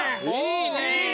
いいね。